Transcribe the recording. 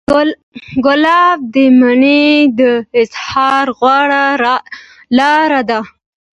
ګلاب د مینې د اظهار غوره لاره ده.